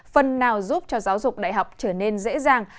phần nào giúp cho giáo dục đại học trở nên dễ dàng